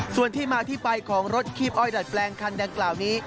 ส่วนที่มาที่ไปของรถคีบอ้อยดัดแปลงคันดังกล่าวนี้